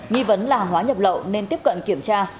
nghi vấn là hàng hóa nhập lậu nên tiếp cận kiểm tra